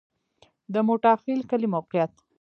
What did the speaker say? د موټاخیل کلی موقعیت